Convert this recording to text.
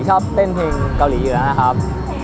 ชอบเต้นเพลงเกาหลีอยู่แล้วนะครับ